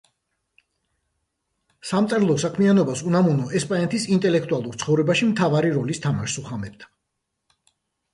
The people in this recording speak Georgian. სამწერლობო საქმიანობას უნამუნო ესპანეთის ინტელექტუალურ ცხოვრებაში მთავარი როლის თამაშს უხამებდა.